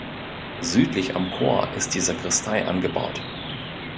Südlich am Chor ist die Sakristei angebaut.